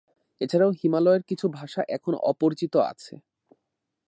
এছাড়াও হিমালয়ের কিছু ভাষা এখনো অপরিচিত আছে।